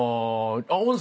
温泉！